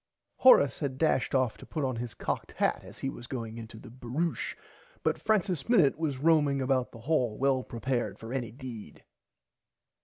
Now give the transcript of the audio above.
Horace had dashed off to put on his cocked hat as he was going in the baroushe but Francis Minnit was roaming about the hall well prepared for any deed.